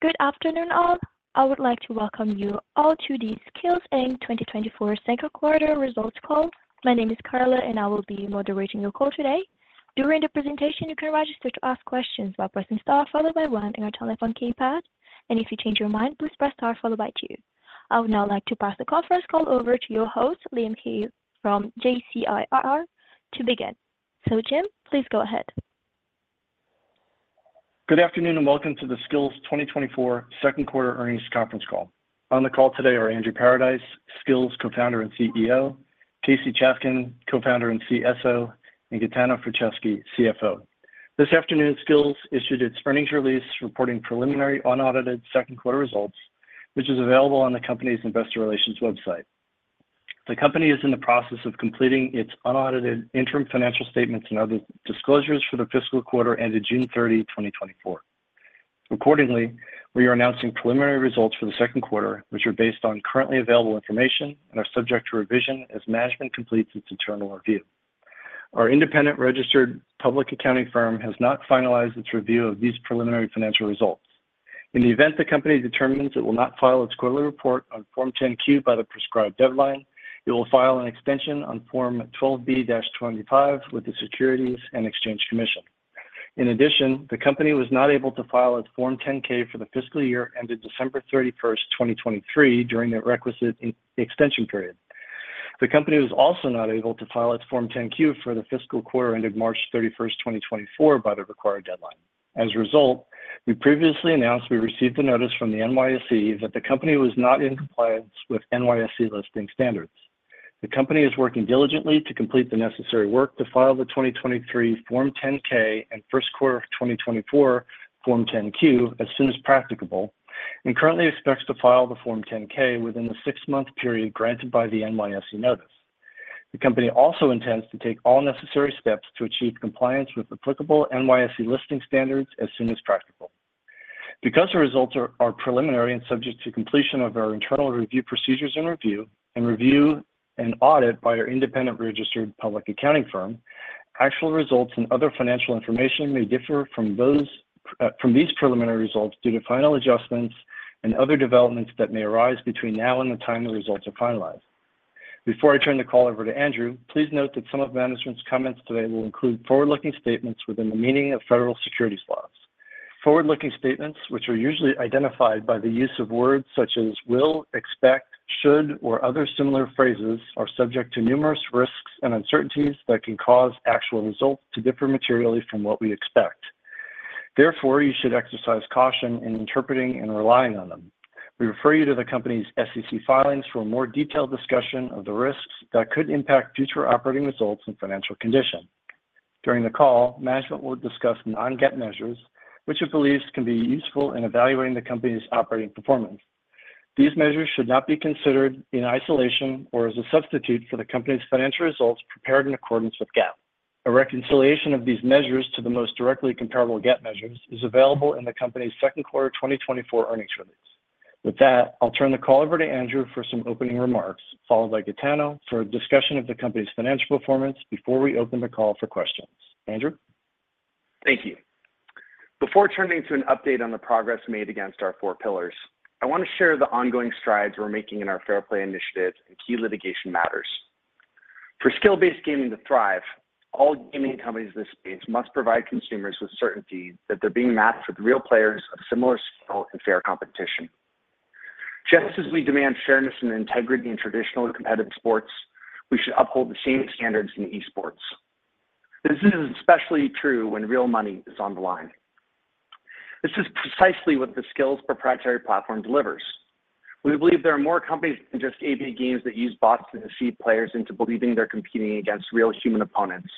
Good afternoon, all. I would like to welcome you all to the Skillz Inc. 2024 Second Quarter Results Call. My name is Carla, and I will be moderating your call today. During the presentation, you can register to ask questions by pressing star followed by one in your telephone keypad, and if you change your mind, please press star followed by two. I would now like to pass the conference call over to your host, Liam Keith from JCIR, to begin. So, Liam, please go ahead. Good afternoon, and welcome to the Skillz 2024 Second Quarter Earnings Conference Call. On the call today are Andrew Paradise, Skillz Co-founder and CEO; Casey Chafkin, Co-founder and CSO; and Gaetano Franceschi, CFO. This afternoon, Skillz issued its earnings release reporting preliminary unaudited second quarter results, which is available on the company's investor relations website. The company is in the process of completing its unaudited interim financial statements and other disclosures for the fiscal quarter ended June 30, 2024. Accordingly, we are announcing preliminary results for the second quarter, which are based on currently available information and are subject to revision as management completes its internal review. Our independent registered public accounting firm has not finalized its review of these preliminary financial results. In the event the company determines it will not file its quarterly report on Form 10-Q by the prescribed deadline, it will file an extension on Form 12b-25 with the Securities and Exchange Commission. In addition, the company was not able to file its Form 10-K for the fiscal year ended December 31, 2023, during the requisite extension period. The company was also not able to file its Form 10-Q for the fiscal quarter ended March 31, 2024, by the required deadline. As a result, we previously announced we received a notice from the NYSE that the company was not in compliance with NYSE listing standards. The company is working diligently to complete the necessary work to file the 2023 Form 10-K and first quarter 2024 Form 10-Q as soon as practicable, and currently expects to file the Form 10-K within the six-month period granted by the NYSE notice. The company also intends to take all necessary steps to achieve compliance with applicable NYSE listing standards as soon as practicable. Because the results are preliminary and subject to completion of our internal review procedures and review and audit by our independent registered public accounting firm, actual results and other financial information may differ from these preliminary results due to final adjustments and other developments that may arise between now and the time the results are finalized. Before I turn the call over to Andrew, please note that some of management's comments today will include forward-looking statements within the meaning of federal securities laws. Forward-looking statements, which are usually identified by the use of words such as will, expect, should, or other similar phrases, are subject to numerous risks and uncertainties that can cause actual results to differ materially from what we expect. Therefore, you should exercise caution in interpreting and relying on them. We refer you to the company's SEC filings for a more detailed discussion of the risks that could impact future operating results and financial condition. During the call, management will discuss non-GAAP measures, which it believes can be useful in evaluating the company's operating performance. These measures should not be considered in isolation or as a substitute for the company's financial results prepared in accordance with GAAP. A reconciliation of these measures to the most directly comparable GAAP measures is available in the company's second quarter 2024 earnings release. With that, I'll turn the call over to Andrew for some opening remarks, followed by Gaetano for a discussion of the company's financial performance before we open the call for questions. Andrew? Thank you. Before turning to an update on the progress made against our four pillars, I want to share the ongoing strides we're making in our Fair Play initiative and key litigation matters. For skill-based gaming to thrive, all gaming companies in this space must provide consumers with certainty that they're being matched with real players of similar skill and fair competition. Just as we demand fairness and integrity in traditional and competitive sports, we should uphold the same standards in esports. This is especially true when real money is on the line. This is precisely what the Skillz proprietary platform delivers. We believe there are more companies than just ABA Games that use bots to deceive players into believing they're competing against real human opponents,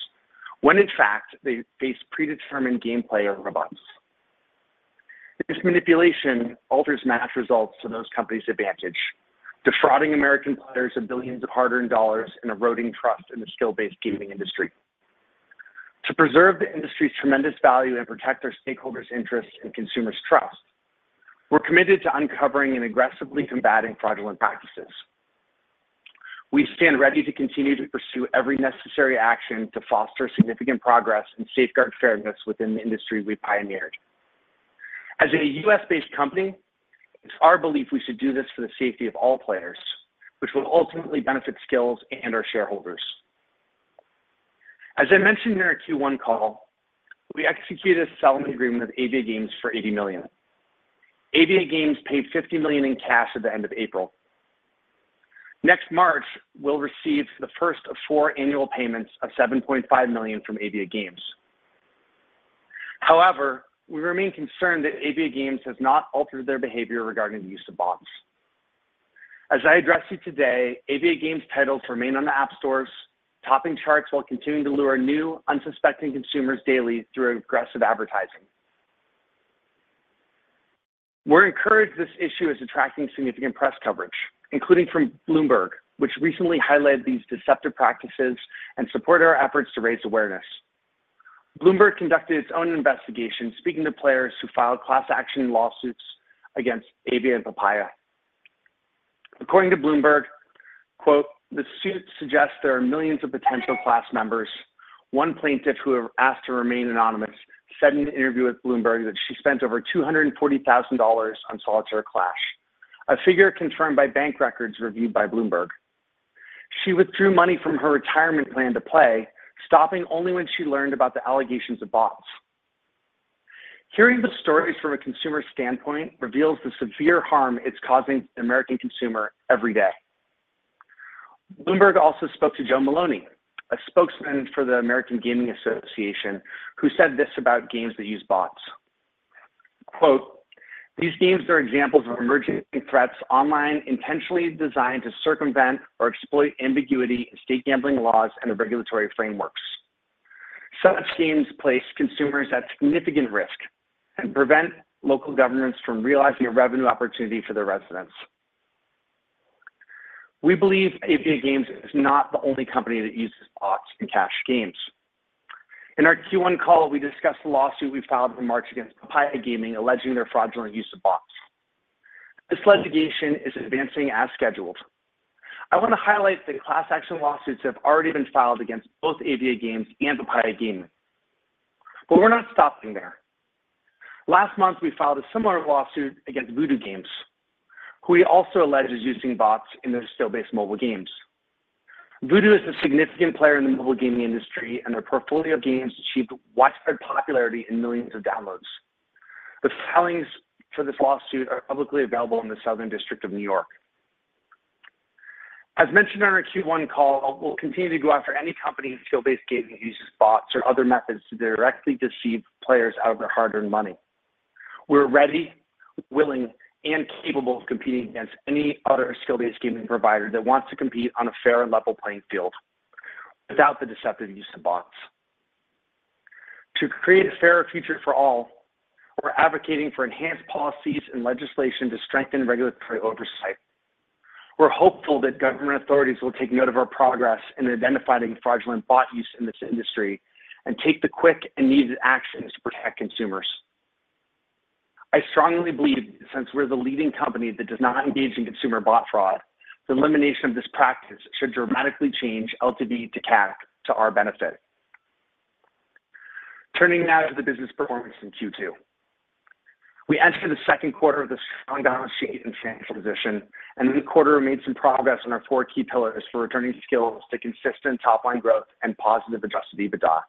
when in fact they face predetermined gameplay robots. This manipulation alters match results to those companies' advantage, defrauding American players of billions of hard-earned dollars and eroding trust in the skill-based gaming industry. To preserve the industry's tremendous value and protect our stakeholders' interests and consumers' trust, we're committed to uncovering and aggressively combating fraudulent practices. We stand ready to continue to pursue every necessary action to foster significant progress and safeguard fairness within the industry we pioneered. As a U.S.-based company, it's our belief we should do this for the safety of all players, which will ultimately benefit Skillz and our shareholders. As I mentioned in our Q1 call, we executed a settlement agreement with ABA Games for $80 million. ABA Games paid $50 million in cash at the end of April. Next March, we'll receive the first of four annual payments of $7.5 million from ABA Games. However, we remain concerned that ABA Games has not altered their behavior regarding the use of bots. As I address you today, ABA Games titles remain on the app stores, topping charts while continuing to lure new, unsuspecting consumers daily through aggressive advertising. We're encouraged this issue is attracting significant press coverage, including from Bloomberg, which recently highlighted these deceptive practices and supported our efforts to raise awareness. Bloomberg conducted its own investigation, speaking to players who filed class action lawsuits against ABA and Papaya. According to Bloomberg, "The suit suggests there are millions of potential class members. One plaintiff, who asked to remain anonymous, said in an interview with Bloomberg that she spent over $240,000 on Solitaire Clash, a figure confirmed by bank records reviewed by Bloomberg. She withdrew money from her retirement plan to play, stopping only when she learned about the allegations of bots. Hearing the stories from a consumer standpoint reveals the severe harm it's causing the American consumer every day. Bloomberg also spoke to Joe Maloney, a spokesman for the American Gaming Association, who said this about games that use bots. "These games are examples of emerging threats online intentionally designed to circumvent or exploit ambiguity in state gambling laws and regulatory frameworks. Such games place consumers at significant risk and prevent local governments from realizing a revenue opportunity for their residents." We believe ABA Games is not the only company that uses bots in cash games. In our Q1 call, we discussed the lawsuit we filed in March against Papaya Gaming, alleging their fraudulent use of bots. This litigation is advancing as scheduled. I want to highlight that class action lawsuits have already been filed against both ABA Games and Papaya Gaming. But we're not stopping there. Last month, we filed a similar lawsuit against Voodoo Games, who also alleges using bots in their skill-based mobile games. Voodoo is a significant player in the mobile gaming industry, and their portfolio of games achieved widespread popularity and millions of downloads. The filings for this lawsuit are publicly available in the Southern District of New York. As mentioned in our Q1 call, we'll continue to go after any company in skill-based gaming that uses bots or other methods to directly deceive players out of their hard-earned money. We're ready, willing, and capable of competing against any other skill-based gaming provider that wants to compete on a fair and level playing field without the deceptive use of bots. To create a fairer future for all, we're advocating for enhanced policies and legislation to strengthen regulatory oversight. We're hopeful that government authorities will take note of our progress in identifying fraudulent bot use in this industry and take the quick and needed actions to protect consumers. I strongly believe that since we're the leading company that does not engage in consumer bot fraud, the elimination of this practice should dramatically change LTV to CAC to our benefit. Turning now to the business performance in Q2. We entered the second quarter with a strong balance sheet and financial position, and the quarter made some progress on our four key pillars for returning Skillz to consistent top-line growth and positive Adjusted EBITDA.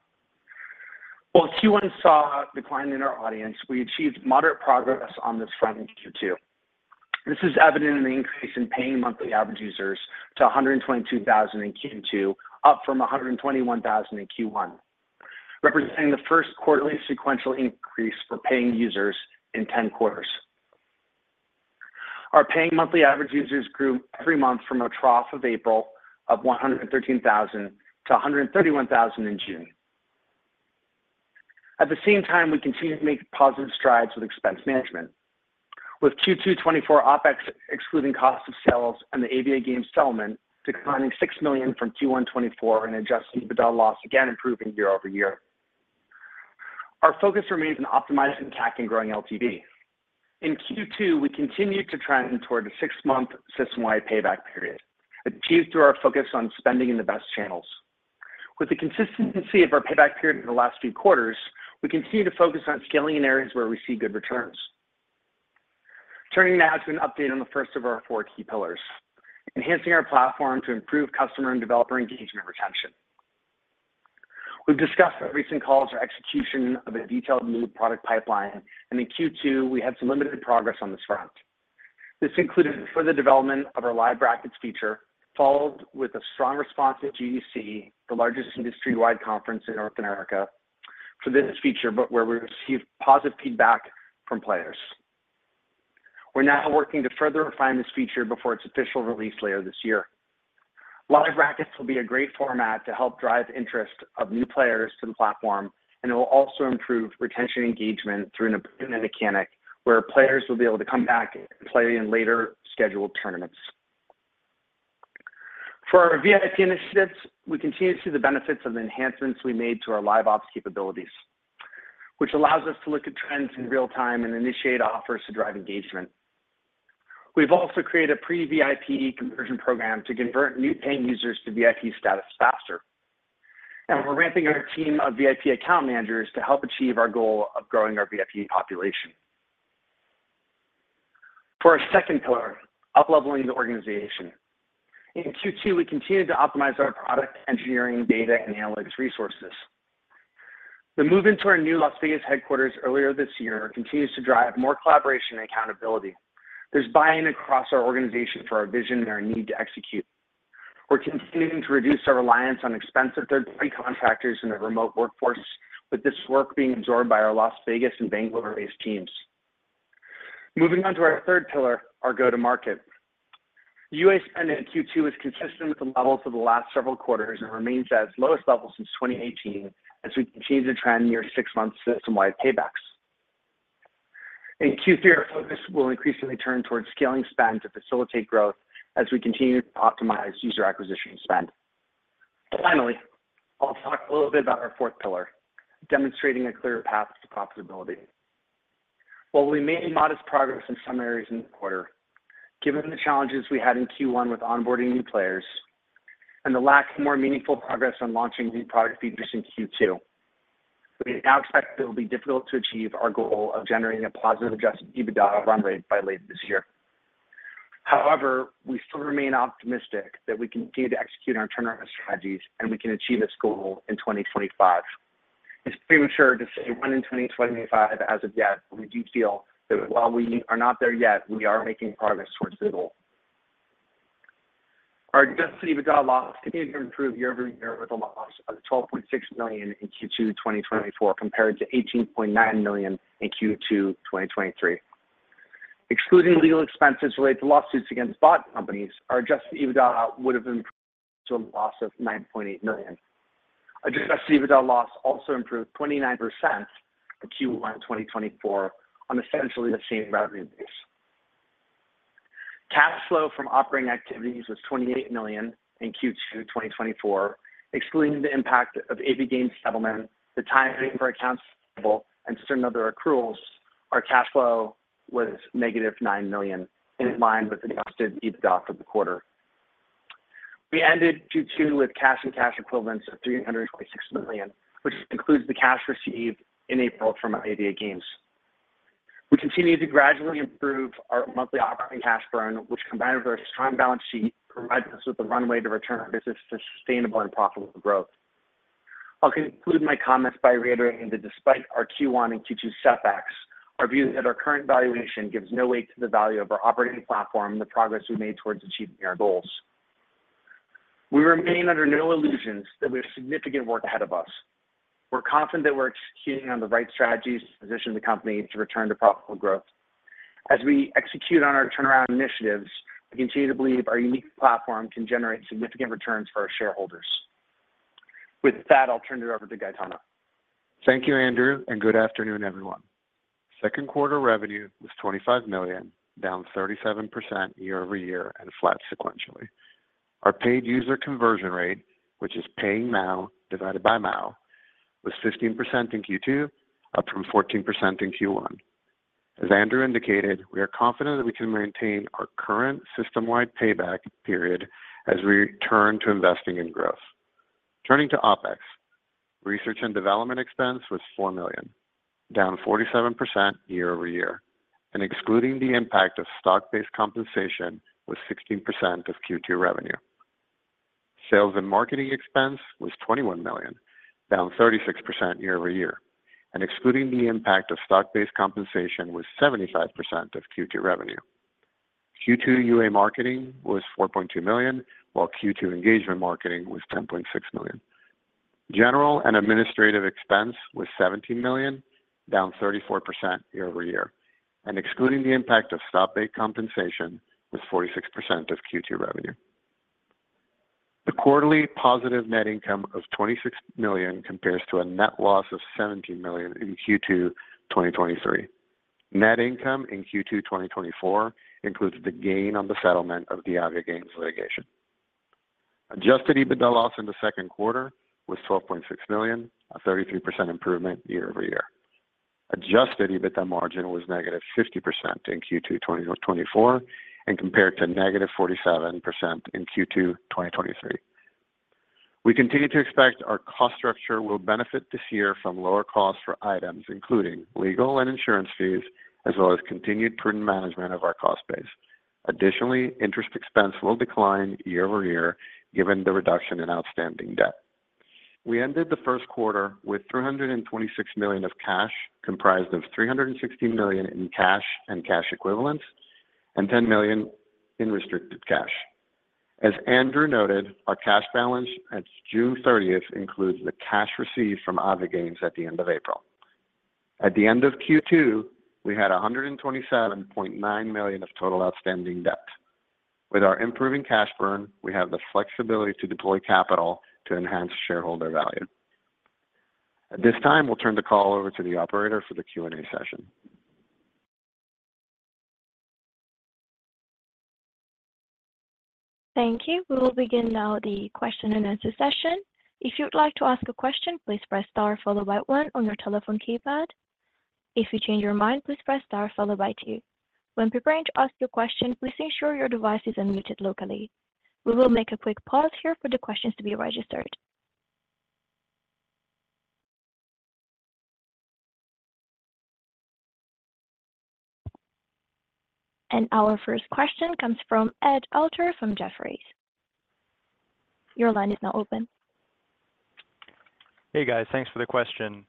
While Q1 saw a decline in our audience, we achieved moderate progress on this front in Q2. This is evident in the increase in paying monthly average users to 122,000 in Q2, up from 121,000 in Q1, representing the first quarterly sequential increase for paying users in 10 quarters. Our paying monthly average users grew every month from a trough of April of 113,000 to 131,000 in June. At the same time, we continue to make positive strides with expense management, with Q2 2024 OpEX excluding cost of sales and the ABA Games settlement declining $6 million from Q1 2024 and adjusted EBITDA loss again improving year-over-year. Our focus remains on optimizing CAC and growing LTV. In Q2, we continued to trend toward a six-month system-wide payback period achieved through our focus on spending in the best channels. With the consistency of our payback period in the last few quarters, we continue to focus on scaling in areas where we see good returns. Turning now to an update on the first of our four key pillars: enhancing our platform to improve customer and developer engagement retention. We've discussed our recent calls for execution of a detailed new product pipeline, and in Q2, we had some limited progress on this front. This included further development of our Live Brackets feature, followed with a strong response at GDC, the largest industry-wide conference in North America, for this feature, but where we received positive feedback from players. We're now working to further refine this feature before its official release later this year. Live Brackets will be a great format to help drive interest of new players to the platform, and it will also improve retention engagement through an ongoing mechanic where players will be able to come back and play in later scheduled tournaments. For our VIP initiatives, we continue to see the benefits of the enhancements we made to our live ops capabilities, which allows us to look at trends in real time and initiate offers to drive engagement. We've also created a pre-VIP conversion program to convert new paying users to VIP status faster. We're ramping our team of VIP account managers to help achieve our goal of growing our VIP population. For our second pillar, up-leveling the organization. In Q2, we continued to optimize our product engineering, data, and analytics resources. The move into our new Las Vegas headquarters earlier this year continues to drive more collaboration and accountability. There's buy-in across our organization for our vision and our need to execute. We're continuing to reduce our reliance on expensive third-party contractors and the remote workforce, with this work being absorbed by our Las Vegas and Bangalore-based teams. Moving on to our third pillar, our go-to-market. U.S. spending in Q2 was consistent with the levels of the last several quarters and remains at its lowest level since 2018, as we continue to trend near 6-month system-wide paybacks. In Q3, our focus will increasingly turn towards scaling spend to facilitate growth as we continue to optimize user acquisition spend. Finally, I'll talk a little bit about our fourth pillar, demonstrating a clear path to profitability. While we made modest progress in some areas in the quarter, given the challenges we had in Q1 with onboarding new players and the lack of more meaningful progress on launching new product features in Q2, we now expect it will be difficult to achieve our goal of generating a positive Adjusted EBITDA run rate by late this year. However, we still remain optimistic that we continue to execute our turnaround strategies and we can achieve this goal in 2025. It's premature to say we're in 2025 as of yet, but we do feel that while we are not there yet, we are making progress towards the goal. Our adjusted EBITDA loss continued to improve year-over-year with a loss of $12.6 million in Q2 2024 compared to $18.9 million in Q2 2023. Excluding legal expenses related to lawsuits against bot companies, our adjusted EBITDA would have improved to a loss of $9.8 million. Adjusted EBITDA loss also improved 29% in Q1 2024 on essentially the same revenue base. Cash flow from operating activities was $28 million in Q2 2024, excluding the impact of ABA Games settlement, the timing for accounts payable, and certain other accruals. Our cash flow was negative $9 million in line with Adjusted EBITDA for the quarter. We ended Q2 with cash and cash equivalents of $326 million, which includes the cash received in April from ABA Games. We continue to gradually improve our monthly operating cash burn, which, combined with our strong balance sheet, provides us with a runway to return our business to sustainable and profitable growth. I'll conclude my comments by reiterating that despite our Q1 and Q2 setbacks, our view is that our current valuation gives no weight to the value of our operating platform and the progress we made towards achieving our goals. We remain under no illusions that we have significant work ahead of us. We're confident that we're executing on the right strategies to position the company to return to profitable growth. As we execute on our turnaround initiatives, we continue to believe our unique platform can generate significant returns for our shareholders. With that, I'll turn it over to Gaetano. Thank you, Andrew, and good afternoon, everyone. Second quarter revenue was $25 million, down 37% year-over-year and flat sequentially. Our paid user conversion rate, which is paying now divided by now, was 15% in Q2, up from 14% in Q1. As Andrew indicated, we are confident that we can maintain our current system-wide payback period as we return to investing in growth. Turning to OpEX, research and development expense was $4 million, down 47% year-over-year, and excluding the impact of stock-based compensation was 16% of Q2 revenue. Sales and marketing expense was $21 million, down 36% year-over-year, and excluding the impact of stock-based compensation was 75% of Q2 revenue. Q2 UA marketing was $4.2 million, while Q2 engagement marketing was $10.6 million. General and administrative expense was $17 million, down 34% year-over-year, and excluding the impact of stock-based compensation was 46% of Q2 revenue. The quarterly positive net income of $26 million compares to a net loss of $17 million in Q2 2023. Net income in Q2 2024 includes the gain on the settlement of the ABA Games litigation. Adjusted EBITDA loss in the second quarter was $12.6 million, a 33% improvement year-over-year. Adjusted EBITDA margin was -50% in Q2 2024 and compared to -47% in Q2 2023. We continue to expect our cost structure will benefit this year from lower costs for items, including legal and insurance fees, as well as continued prudent management of our cost base. Additionally, interest expense will decline year-over-year given the reduction in outstanding debt. We ended the first quarter with $326 million of cash, comprised of $360 million in cash and cash equivalents, and $10 million in restricted cash. As Andrew noted, our cash balance at June 30th includes the cash received from ABA Games at the end of April. At the end of Q2, we had $127.9 million of total outstanding debt. With our improving cash burn, we have the flexibility to deploy capital to enhance shareholder value. At this time, we'll turn the call over to the operator for the Q&A session. Thank you. We will begin now the question and answer session. If you'd like to ask a question, please press star followed by 1 on your telephone keypad. If you change your mind, please press star followed by 2. When preparing to ask your question, please ensure your device is unmuted locally. We will make a quick pause here for the questions to be registered. And our first question comes from Ed Alter from Jefferies. Your line is now open. Hey, guys. Thanks for the question.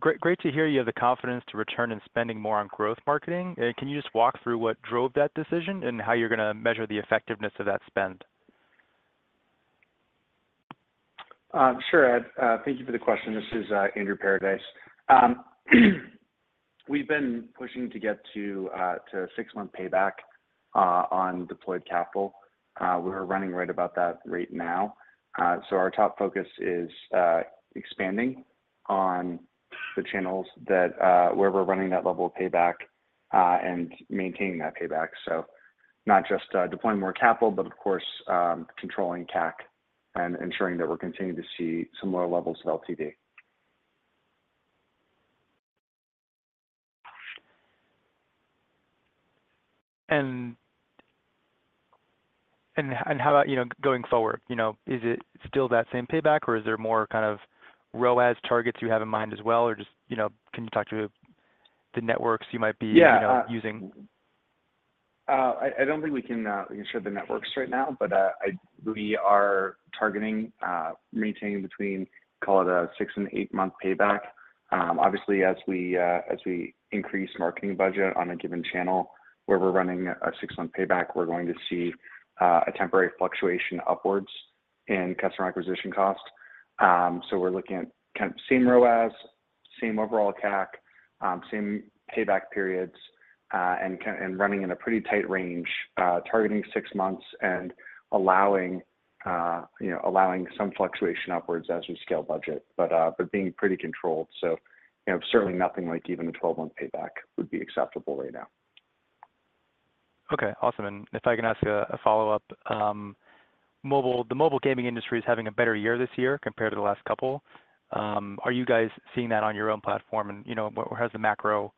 Great to hear you have the confidence to return and spending more on growth marketing. Can you just walk through what drove that decision and how you're going to measure the effectiveness of that spend? Sure, Ed. Thank you for the question. This is Andrew Paradise. We've been pushing to get to six-month payback on deployed capital. We're running right about that rate now. So our top focus is expanding on the channels where we're running that level of payback and maintaining that payback. So not just deploying more capital, but of course, controlling CAC and ensuring that we're continuing to see similar levels of LTV. And how about going forward? Is it still that same payback, or is there more kind of ROAS targets you have in mind as well, or just can you talk to the networks you might be using? I don't think we can share the networks right now, but we are targeting maintaining between, call it a 6- and 8-month payback. Obviously, as we increase marketing budget on a given channel where we're running a 6-month payback, we're going to see a temporary fluctuation upwards in customer acquisition cost. So we're looking at kind of same ROAS, same overall CAC, same payback periods, and running in a pretty tight range, targeting 6 months and allowing some fluctuation upwards as we scale budget, but being pretty controlled. So certainly nothing like even a 12-month payback would be acceptable right now. Okay. Awesome. If I can ask a follow-up, the mobile gaming industry is having a better year this year compared to the last couple. Are you guys seeing that on your own platform, and where is the macro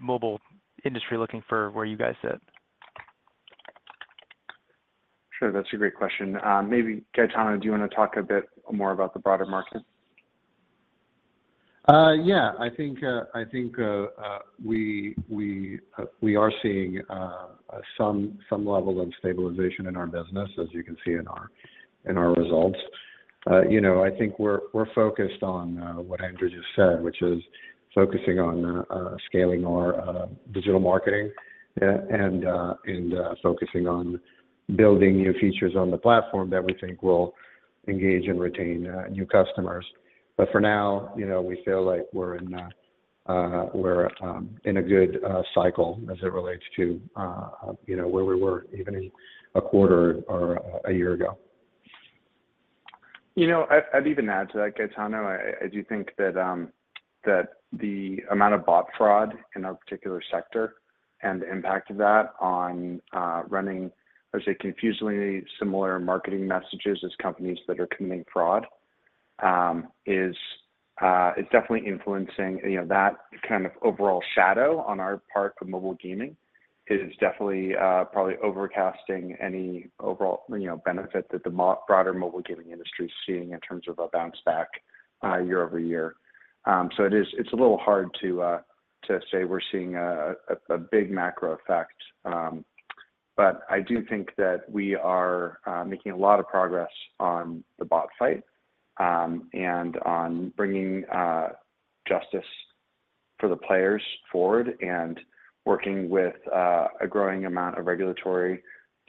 mobile industry looking for where you guys sit? Sure. That's a great question. Maybe Gaetano, do you want to talk a bit more about the broader market? Yeah. I think we are seeing some level of stabilization in our business, as you can see in our results. I think we're focused on what Andrew just said, which is focusing on scaling our digital marketing and focusing on building new features on the platform that we think will engage and retain new customers. But for now, we feel like we're in a good cycle as it relates to where we were even a quarter or a year ago. I'd even add to that, Gaetano. I do think that the amount of bot fraud in our particular sector and the impact of that on running, I would say, confusingly similar marketing messages as companies that are committing fraud is definitely influencing that kind of overall shadow on our part of mobile gaming is definitely probably overcasting any overall benefit that the broader mobile gaming industry is seeing in terms of a bounce back year-over-year. So it's a little hard to say we're seeing a big macro effect, but I do think that we are making a lot of progress on the bot fight and on bringing justice for the players forward and working with a growing amount of regulatory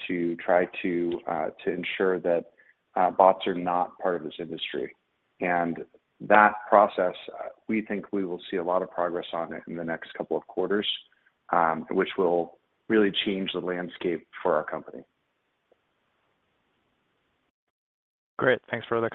to try to ensure that bots are not part of this industry. That process, we think we will see a lot of progress on it in the next couple of quarters, which will really change the landscape for our company. Great.Thanks for the.